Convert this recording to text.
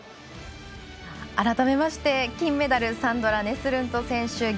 改めまして金メダルサンドラ・ネスルント選手。